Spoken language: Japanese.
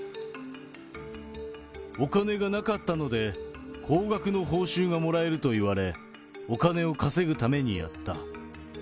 お金がなかったので、高額の報酬がもらえると言われ、お金を稼ぐためにやった。